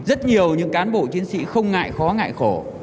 rất nhiều những cán bộ chiến sĩ không ngại khó ngại khổ